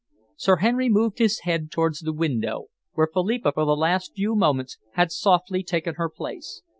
Sir Henry moved his head towards the window, where Philippa, for the last few moments, had softly taken her place.